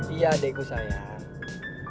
iya adekku sayang